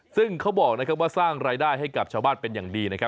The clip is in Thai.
ซึ่งเขาบอกว่าสร้างรายได้ให้กับชาวบ้านเป็นอย่างดีนะครับ